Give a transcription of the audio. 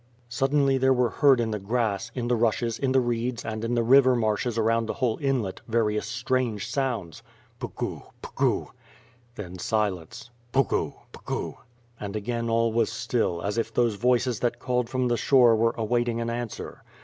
Suddenly, there were heard in the grass, in the rushes, in the reeds, and in the river marshes around the whole inlet, various strange sounds. Putfu! Pugu! Then silence. .. Pugu! Pugu! And again all was still, as if those voices that called from the shore were awaiting an answer.